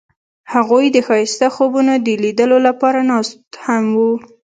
هغوی د ښایسته خوبونو د لیدلو لپاره ناست هم وو.